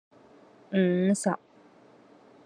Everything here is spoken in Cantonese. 五十